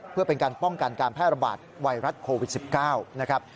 เพื่อเป็นการป้องกันการแพร่ระบาดไวรัสโควิด๑๙นะครับ